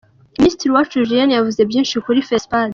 Minisitiri Uwacu Julienne yavuze byinshi kuri Fespad.